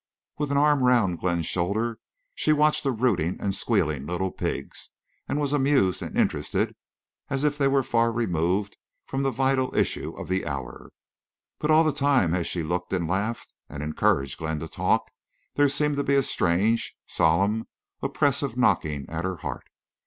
With an arm round Glenn's shoulder she watched the rooting and squealing little pigs, and was amused and interested, as if they were far removed from the vital issue of the hour. But all the time as she looked and laughed, and encouraged Glenn to talk, there seemed to be a strange, solemn, oppressive knocking at her heart.